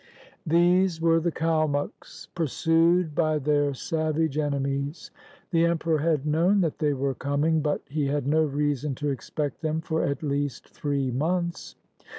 [These were the Kalmucks, pursued by their savage ene mies. The emperor had known that they were coming, but he had no reason to expect them for at least three months.